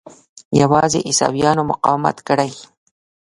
یوازې عیسویانو مقاومت کړی.